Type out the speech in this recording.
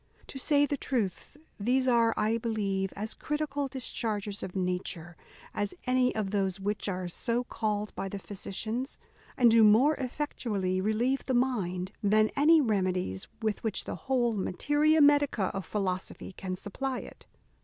To say the truth, these are, I believe, as critical discharges of nature as any of those which are so called by the physicians, and do more effectually relieve the mind than any remedies with which the whole materia medica of philosophy can supply it.